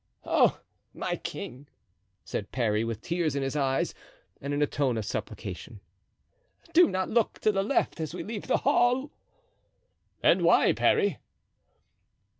"Oh, my king," said Parry, with tears in his eyes and in a tone of supplication, "do not look to the left as we leave the hall." "And why, Parry?"